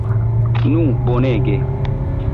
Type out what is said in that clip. Nu, bonege!